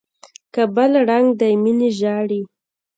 کابل ړنګ دى ميني ژاړي